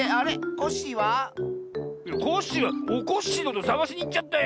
コッシーはおこっしぃのことさがしにいっちゃったよ。